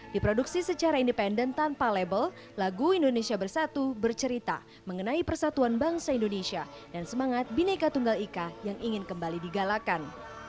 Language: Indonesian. di produksi secara independen tanpa label lagu indonesia bersatu bercerita mengenai persatuan bangsa indonesia dan semangat bineka tunggal ika yang ingin kembali digalakan